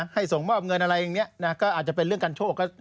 ส่งมอบเงินอะไรอย่างนี้นะก็อาจจะเป็นเรื่องการโชค